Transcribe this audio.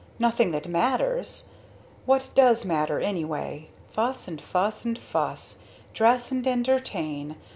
"Nothing that matters. What does matter, anyway? Fuss and fuss and fuss. Dress and entertain.